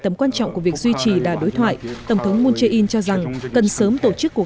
tầm quan trọng của việc duy trì đà đối thoại tổng thống moon jae in cho rằng cần sớm tổ chức cuộc